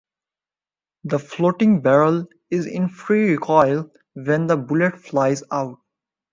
The floating barrel is in free recoil when the bullet flies out.